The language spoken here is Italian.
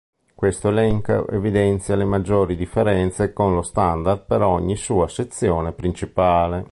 Questo elenco evidenzia le maggiori differenze con lo standard per ogni sua sezione principale.